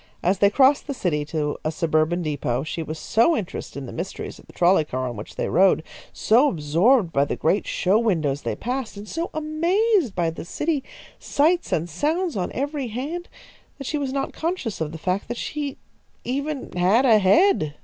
As they crossed the city to a suburban depot, she was so interested in the mysteries of the trolley car on which they rode, so absorbed by the great show windows they passed, and so amazed by the city sights and sounds on every hand, that she was not conscious of the fact that she even had a head.